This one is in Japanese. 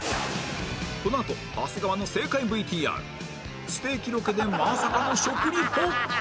このあと長谷川の正解 ＶＴＲステーキロケでまさかの食リポ